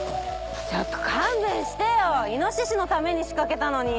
ちょっと勘弁してよイノシシのために仕掛けたのに。